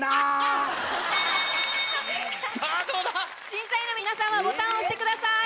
⁉審査員の皆さんはボタンを押してください。